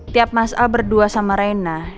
tiap mas al berdua sama reina